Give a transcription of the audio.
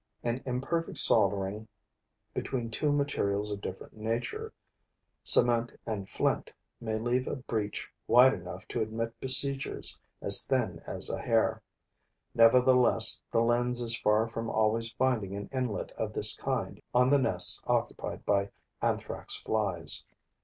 An imperfect soldering between two materials of different nature, cement and flint, may leave a breach wide enough to admit besiegers as thin as a hair. Nevertheless, the lens is far from always finding an inlet of this kind on the nests occupied by Anthrax flies.